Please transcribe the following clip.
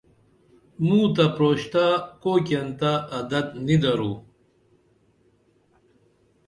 موں تہ پروشتہ کوئیکین تہ عدت نی درو